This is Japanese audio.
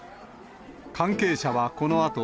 関係者はこのあと、